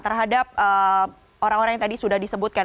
terhadap orang orang yang tadi sudah disebutkan